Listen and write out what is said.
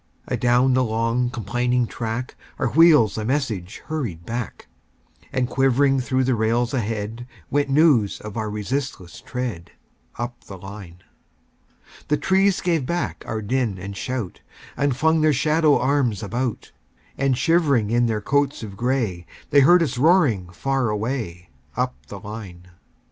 Adown the long, complaining track, Our wheels a message hurried back; And quivering through the rails ahead, Went news of our resistless tread, Up the line. The trees gave back our din and shout, And flung their shadow arms about; And shivering in their coats of gray, They heard us roaring far away, Up the line.